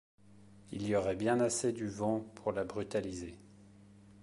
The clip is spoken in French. Il y aurait bien assez du vent pour la brutaliser.